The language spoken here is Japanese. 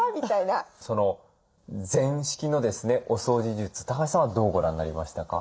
その禅式のですねお掃除術橋さんはどうご覧になりましたか？